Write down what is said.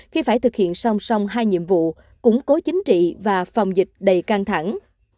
khi phải thực hiện song song hai nhiệm vụ củng cố chính trị và phòng dịch đầy căng thẳng